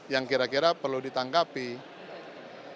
yang kira kira perlu ditanggapi